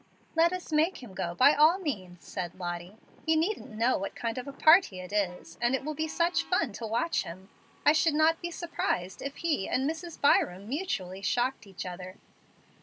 "Let us make him go by all means," said Lottie. "He needn't know what kind of a party it is, and it will be such fun to watch him. I should not be surprised if he and Mrs. Byram mutually shocked each other.